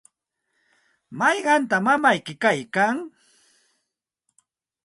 ¿mayqantaq mamayki kaykan?